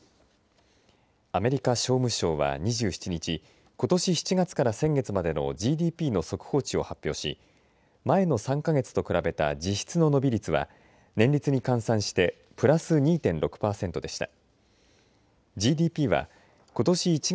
アメリカ商務省は２７日ことし７月から先月までのＧＤＰの速報値を発表し前の３か月と比べた実質の伸び率は年率に換算してプラス２．６パーセントでした。